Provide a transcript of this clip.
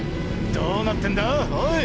どうなってんだおい？